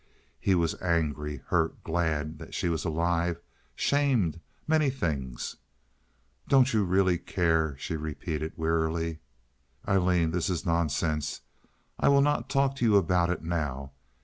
He was angry, hurt, glad that she was alive, shamed—many things. "Don't you really care?" she repeated, wearily. "Aileen, this is nonsense. I will not talk to you about it now.